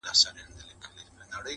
د سړي په دې وینا قاضي حیران سو,